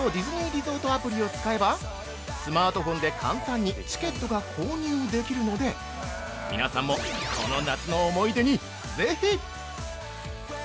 リゾート・アプリを使えばスマートフォンで簡単にチケットが購入できるので皆さんもこの夏の思い出にぜひ！